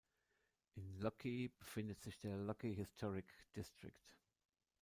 In Locke befindet sich der "Locke Historic District".